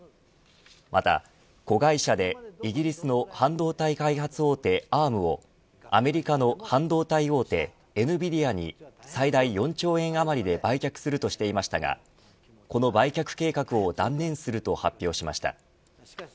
また子会社でイギリスの半導体開発大手アームをアメリカの半導体大手ＮＶＩＤＩＡへ最大４兆円あまりで売却するとしていましたがこの売却計画を断念すると発表しました。